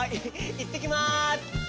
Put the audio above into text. いってきます！